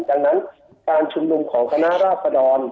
ดังนั้นปาร์ดชุมดมของค่าน้าราภาษา